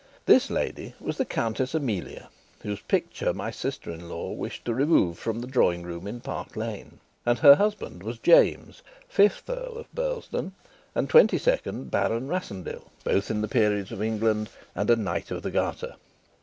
This lady was the Countess Amelia, whose picture my sister in law wished to remove from the drawing room in Park Lane; and her husband was James, fifth Earl of Burlesdon and twenty second Baron Rassendyll, both in the peerage of England, and a Knight of the Garter.